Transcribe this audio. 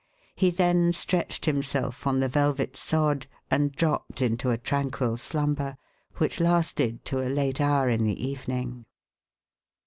He then stretched himself on the velvet sod, and dropped into a tranquil slumber which lasted to a late hour in the evening.